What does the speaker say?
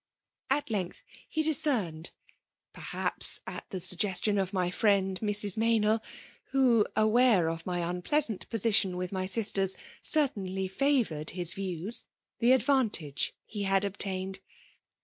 At length he diacemed, — peihaps at the FBMAlia DOMINATION. 287 suggestion of my firiend, Mrs. Mejnril, who/ aware of my unpleasant position with my sisters, certainly faToured his views, — the advantage he had obtained.